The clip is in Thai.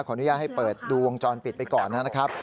อนุญาตให้เปิดดูวงจรปิดไปก่อนนะครับ